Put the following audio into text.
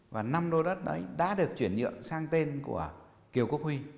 và năm lô đất đấy đã được chuyển nhượng sang tên của kiều quốc huy